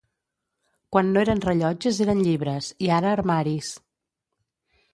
Quan no eren rellotges eren llibres, i ara armaris.